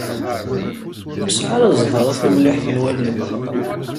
Ur nesɛi ara ẓẓher a tumliḥt n wallen.